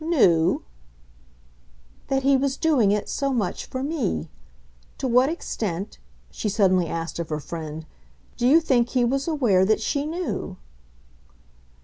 "'Knew'?" "That he was doing it, so much, for me. To what extent," she suddenly asked of her friend, "do you think he was aware that she knew?"